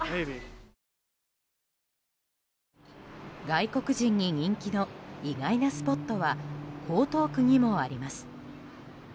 外国人に人気の、意外なスポットは江東区にもあります。